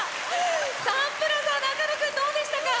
サンプラザ中野くんどうでしたか。